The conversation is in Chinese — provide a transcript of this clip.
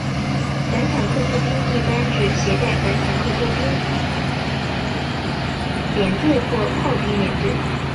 反坦克步兵一般指携带反坦克武器的步兵连队或炮兵连队。